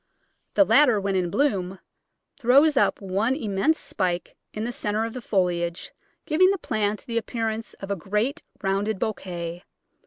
The latter, when in bloom, throws up one immense spike in the centre of the foliage, giving the plant the appearance of a great rounded bouquet.